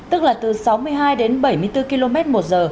tức là từ sáu mươi hai đến bảy mươi bốn km một giờ